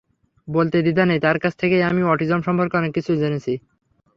বলতে দ্বিধা নেই, তার কাছ থেকেই আমি অটিজম সম্পর্কে অনেক কিছু জেনেছি।